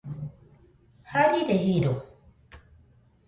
Jarire jiro.